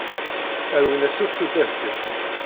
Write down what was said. Rwin-as akk tudert-is.